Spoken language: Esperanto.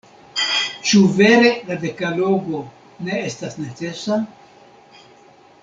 Ĉu vere la dekalogo ne estas necesa?